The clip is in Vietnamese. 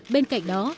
bên cạnh đó